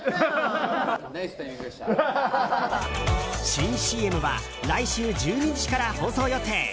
新ＣＭは来週１２日から放送予定。